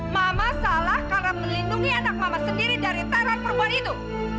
mama salah karena melindungi anak mama sendiri dari taran perempuan itu